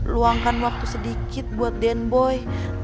luangkan waktu sedikit buat den boy